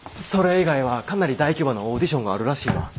それ以外はかなり大規模なオーディションがあるらしいわ。